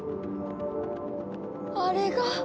あれが。